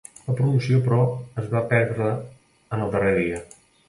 La promoció, però, es va perdre en el darrer dia.